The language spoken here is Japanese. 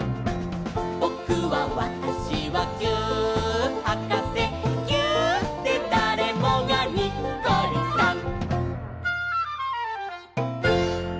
「ぼくはわたしはぎゅーっはかせ」「ぎゅーっでだれもがにっこりさん！」